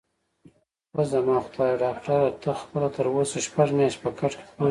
اووه، زما خدایه، ډاکټره ته خپله تراوسه شپږ میاشتې په کټ کې پروت یې؟